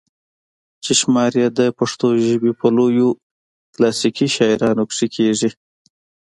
چې شمار ئې د پښتو ژبې پۀ لويو کلاسيکي شاعرانو کښې کيږي